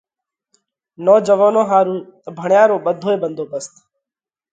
نوجوئونون ۿارُو ڀڻيا رو ٻڌوئي ڀنڌوڀست: